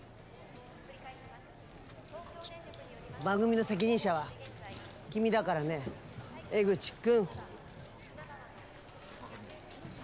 番組の責任者は君だからね江口君。